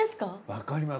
わかります。